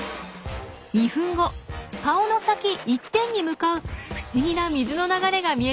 ２分後顔の先１点に向かう不思議な水の流れが見えてきました。